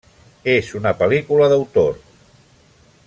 És una pel·lícula d'autor.